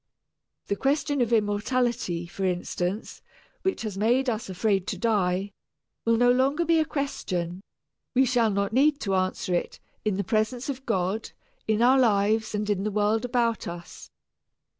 The question of immortality, for instance, which has made us afraid to die, will no longer be a question we shall not need to answer it, in the presence of God, in our lives and in the world about us.